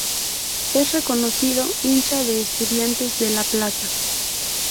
Es reconocido hincha de Estudiantes de La Plata.